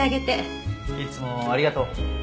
いつもありがとう。